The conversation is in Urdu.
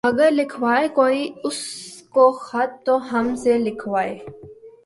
مگر لکھوائے کوئی اس کو خط تو ہم سے لکھوائے